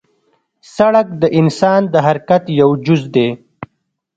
سړک د انسان د حرکت یو جز دی.